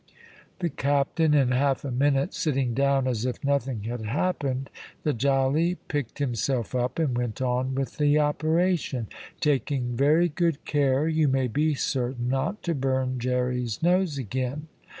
The captain, in half a minute, sitting down as if nothing had happened, the jolly picked himself up and went on with the operation, taking very good care, you may be certain, not to burn Jerry's nose again.